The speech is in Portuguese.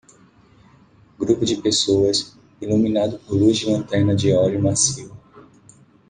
Grupo de pessoas, iluminado por luz de lanterna de óleo macio.